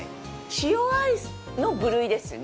塩アイスの部類ですよね。